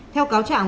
theo cáo trạng